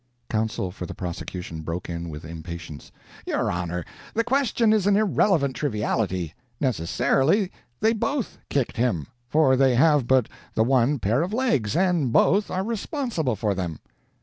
Counsel for the prosecution broke in with impatience: "Your honor, the question is an irrelevant triviality. Necessarily, they both kicked him, for they have but the one pair of legs, and both are responsible for them."